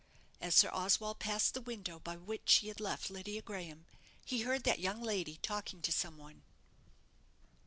As Sir Oswald passed the window by which he had left Lydia Graham, he heard that young lady talking to some one.